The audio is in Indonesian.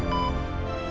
ya allah papa